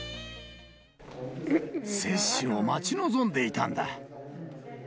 接種を待ち望んでいたんだ。